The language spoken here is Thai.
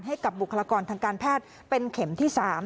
ให้กับบุคลากรทางการแพทย์เป็นเข็มที่๓